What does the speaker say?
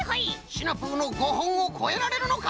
シナプーの５ほんをこえられるのか？